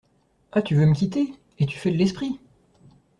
Ah ! tu veux me quitter ? et tu fais de l’esprit !